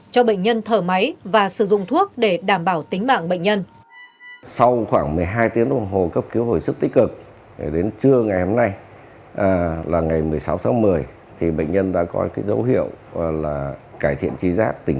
cho bệnh nhân thở máy và sử dụng thuốc để đảm bảo tính mạng bệnh nhân